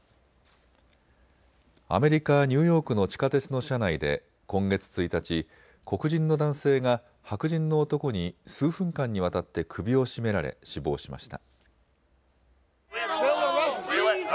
アメリカ・ニューヨークの地下鉄の車内で今月１日、黒人の男性が白人の男に数分間にわたって首を絞められ死亡しました。